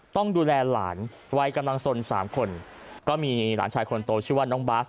ต้องดูแลหลานวัยกำลังสนสามคนก็มีหลานชายคนโตชื่อว่าน้องบาส